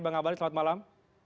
bang ngabalin selamat malam